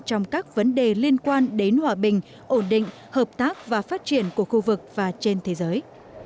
trong các vấn đề liên quan đến hòa bình ổn định hợp tác và phát triển của khu vực và trên thế giới